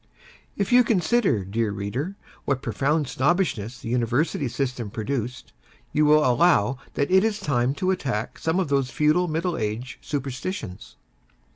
If you consider, dear reader, what profound snobbishness the University System produced, you will allow that it is time to attack some of those feudal middle age superstitions.